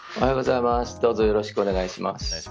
よろしくお願いします。